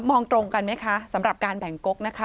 มองตรงกันไหมคะสำหรับการแบ่งกกนะคะ